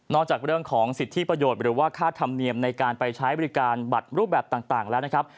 จากเรื่องของสิทธิประโยชน์หรือว่าค่าธรรมเนียมในการไปใช้บริการบัตรรูปแบบต่างแล้วนะครับ